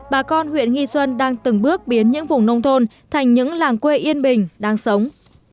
bà con huyện nghi xuân đang từng bước biến những vùng nông thôn thành những làng quê yên bình đang sống